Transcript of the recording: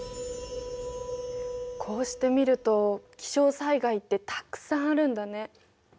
こうして見ると気象災害ってたくさんあるんだね。